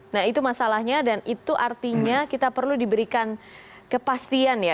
nah itu masalahnya dan itu artinya kita perlu diberikan kepastian ya